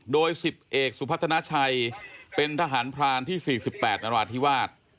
โดย๑๐เอกสุพัฒนาชัยเป็นทหารพรานที่๔๘นราธิวาส